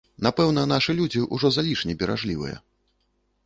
Напэўна, нашы людзі ўжо залішне беражлівыя.